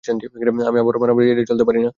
আমি আবার মারামারি এড়িয়ে চলতে পারি না।